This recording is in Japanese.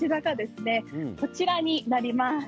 こちらになります。